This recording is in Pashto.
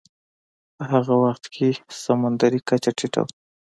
په هغه وخت کې سمندرې کچه ټیټه وه.